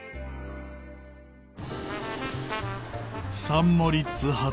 サン・モリッツ発